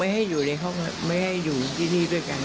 มาดีกันบรรกาไชคันหนึ่ง